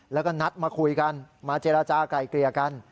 แล้วก็นัดมาคุยกันมาเจรจากลายเกลี่ยกัน